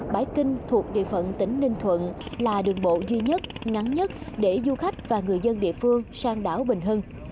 bãi kinh thuộc địa phận tỉnh ninh thuận là đường bộ duy nhất ngắn nhất để du khách và người dân địa phương sang đảo bình hưng